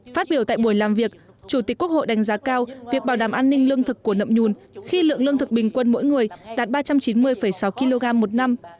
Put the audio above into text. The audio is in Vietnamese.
phát biểu tại buổi làm việc chủ tịch quốc hội đánh giá cao việc bảo đảm an ninh lương thực của nậm nhùn khi lượng lương thực bình quân mỗi người đạt ba trăm chín mươi sáu kg một năm